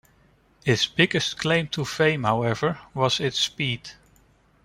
Its biggest claim to fame, however, was its speed.